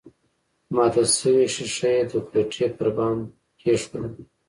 ماته شوې ښيښه يې د کوټې پر بام کېښوده